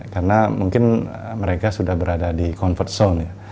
karena mungkin mereka sudah berada di comfort zone